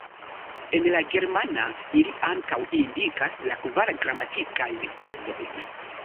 En la germana ili ankaŭ indikas la kvar gramatikajn kazojn.